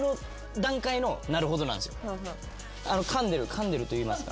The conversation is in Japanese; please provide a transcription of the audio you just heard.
かんでるといいますか。